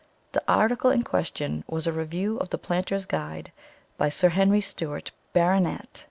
The article in question was a review of "The Planter's Guide," by Sir Henry Steuart, Bart.